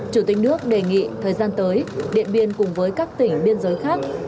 chủ tịch nước đề nghị thời gian tới điện biên cùng với các tỉnh biên giới khác